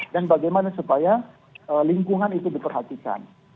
dan bagaimana supaya lingkungan itu diperhatikan